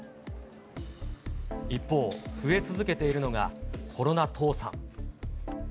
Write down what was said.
一方、増え続けているのがコロナ倒産。